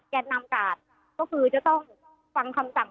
นำกาดก็คือจะต้องฟังคำสั่ง